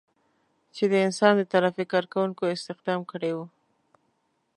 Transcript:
چې د انسان د ترافیک کار کوونکو استخدام کړي وو.